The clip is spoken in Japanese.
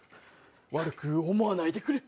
悪く思わないでくれ。